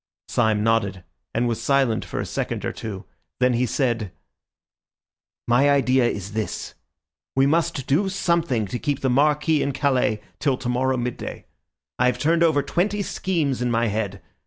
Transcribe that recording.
Syme nodded and was silent for a second or two, then he said— "My idea is this. We must do something to keep the Marquis in Calais till tomorrow midday. I have turned over twenty schemes in my head.